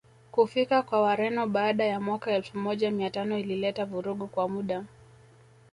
kufika kwa Wareno baada ya mwaka elfu moja mia tano ilileta vurugu kwa muda